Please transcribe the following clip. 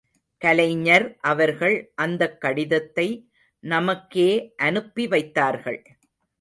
கலைஞர் அவர்கள் அந்தக் கடிதத்தை நமக்கே அனுப்பிவைத்தார்கள்!